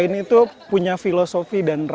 karena itu kain itu punya filosofi dan itu sangat berharga